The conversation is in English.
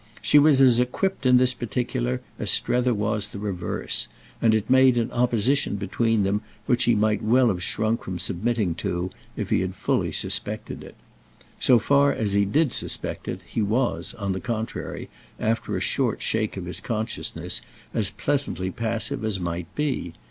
She was as equipped in this particular as Strether was the reverse, and it made an opposition between them which he might well have shrunk from submitting to if he had fully suspected it. So far as he did suspect it he was on the contrary, after a short shake of his consciousness, as pleasantly passive as might be.